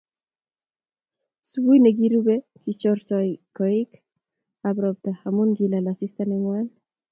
Subui nekirubei, kichorotio koik ab robta amun kilala asista nengwan